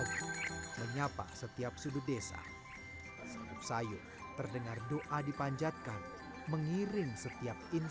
dianugerahi kekayaan hutan yang melimpah dan budaya adiluhung membuat desa bengkale selalu berupaya menjadi desa yang menarik bagi wisatawan